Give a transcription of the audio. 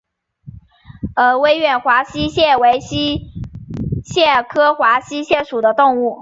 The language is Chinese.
威远华溪蟹为溪蟹科华溪蟹属的动物。